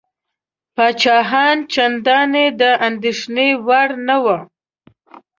پاچاهان چنداني د اندېښنې وړ نه وه.